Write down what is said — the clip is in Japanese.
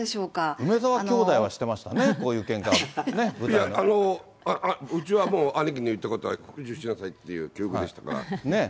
梅沢兄弟はしてましたね、いや、うちはもう、兄貴の言ったことはなさいという教育でしたから。